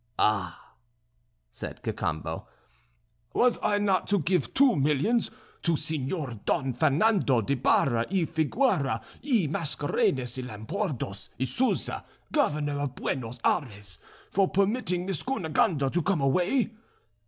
"Ah!" said Cacambo, "was I not to give two millions to Senor Don Fernando d'Ibaraa, y Figueora, y Mascarenes, y Lampourdos, y Souza, Governor of Buenos Ayres, for permitting Miss Cunegonde to come away?